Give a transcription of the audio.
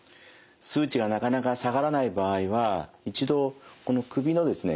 数値がなかなか下がらない場合は一度この首のですね